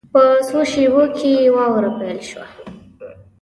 په څو شېبو کې واوره پیل شوه.